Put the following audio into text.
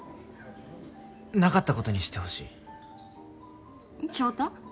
なかったことにしてほしい翔太